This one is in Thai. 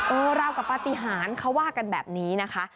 ราวกับปฏิหารเขาว่ากันแบบนี้นะคะ